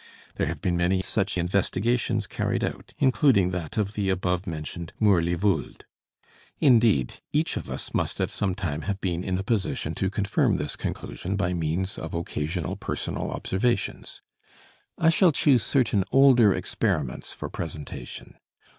There have been many such investigations carried out, including that of the above mentioned Mourly Vold. Indeed, each of us must at some time have been in a position to confirm this conclusion by means of occasional personal observations. I shall choose certain older experiments for presentation.